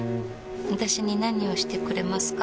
私に何をしてくれますか？